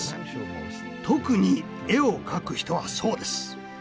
特に絵を描く人はそうです。